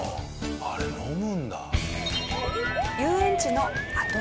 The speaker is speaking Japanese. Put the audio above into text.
あれ飲むんだ。